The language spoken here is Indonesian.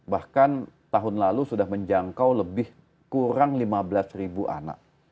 bahkan tahun lalu sudah menjangkau lebih kurang lima belas ribu anak